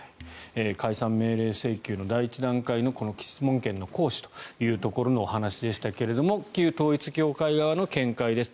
解散命令請求の第１段階の質問権の行使というお話でしたが旧統一教会側の見解です。